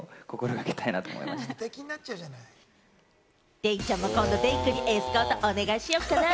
デイちゃんも今度、デイくんにエスコートお願いしよっかな。